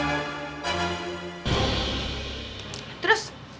aku mau ketemu sama kakak kamu